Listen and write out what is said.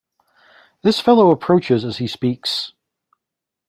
This fellow approaches as he speaks.